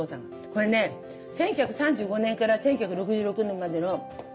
これね１９３５年から１９６６年までの日記ね。